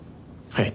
はい。